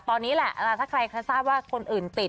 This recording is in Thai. ตอนนี้แหละถ้าใครทราบว่าคนอื่นติด